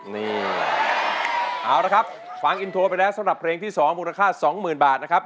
นี่เอาละครับฟังอินโทรไปแล้วสำหรับเพลงที่๒มูลค่า๒๐๐๐บาทนะครับ